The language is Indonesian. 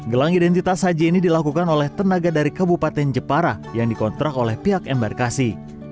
gelang identitas haji ini dilakukan oleh tenaga dari kabupaten jepara yang dikontrak oleh pihak embarkasi